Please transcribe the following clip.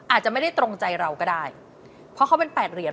อาจจะไม่ได้ตรงใจเราก็ได้เพราะเขาเป็นแปดเหรียญ